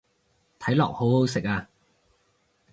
睇落好好食啊